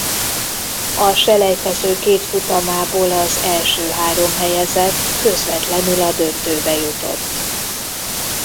A selejtező két futamából az első három helyezett közvetlenül a döntőbe jutott.